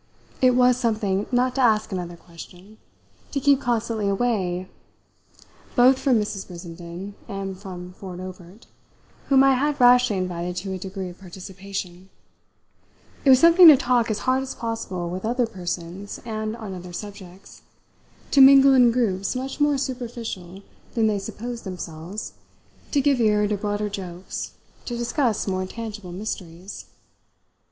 It was something not to ask another question, to keep constantly away both from Mrs. Brissenden and from Ford Obert, whom I had rashly invited to a degree of participation; it was something to talk as hard as possible with other persons and on other subjects, to mingle in groups much more superficial than they supposed themselves, to give ear to broader jokes, to discuss more tangible mysteries.